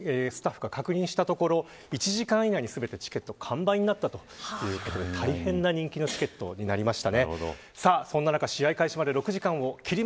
チケット争奪戦がありましたが番組スタッフが確認したところ、１時間以内に全てチケットが完売になったということで大変な人気のチケットになりました。